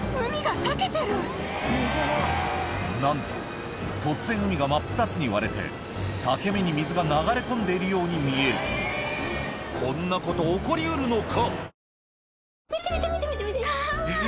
なんと突然海が真っ二つに割れて裂け目に水が流れ込んでいるように見えるこんなこと起こり得るのか？